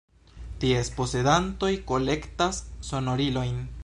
Ties posedantoj kolektas sonorilojn.